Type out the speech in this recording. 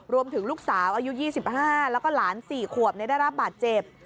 รวมถึงลูกสาวอายุ๒๕แล้วก็หลาน๔ขวบได้รับบาดเจ็บ